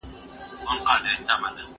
زه به اوږده موده د يادښتونه بشپړ کړم!.